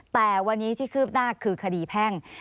แต่วันนี้ที่คืบหน้าคือคดีแพ่ง